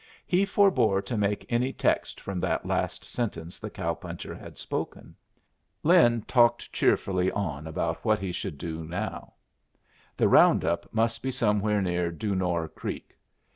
he forbore to make any text from that last sentence the cow puncher had spoken. Lin talked cheerfully on about what he should now do. The round up must be somewhere near Du Noir Creek.